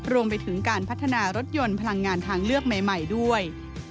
รวมไปถึงการพัฒนารถยนต์พลังงานทางเลือกใหม่ด้วย